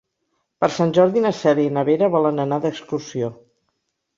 Per Sant Jordi na Cèlia i na Vera volen anar d'excursió.